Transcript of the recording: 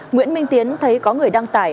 nguyễn minh tiến thấy có người đăng tải